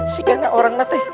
sikana orangnya teh